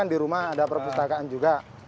cuma ada perpustakaan juga